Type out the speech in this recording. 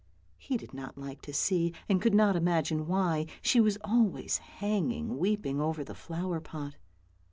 He did not like to see, and could not imagine why, she was always hanging weeping over the flower pot.